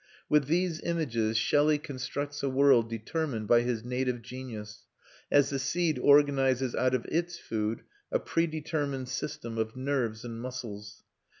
With these images Shelley constructs a world determined by his native genius, as the seed organises out of its food a predetermined system of nerves and muscles.